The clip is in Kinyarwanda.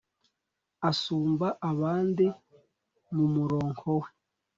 asumba abandi mu muronko we